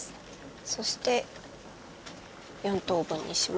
そして４等分にします。